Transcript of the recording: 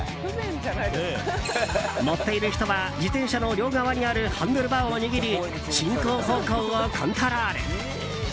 乗っている人は自転車の両側にあるハンドルバーを握り進行方向をコントロール。